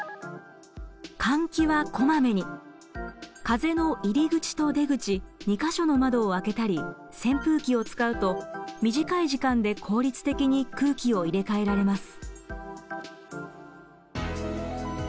風の入り口と出口２か所の窓を開けたり扇風機を使うと短い時間で効率的に空気を入れ替えられます。